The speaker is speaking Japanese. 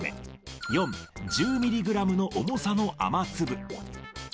４、１０ミリグラムの重さの雨粒。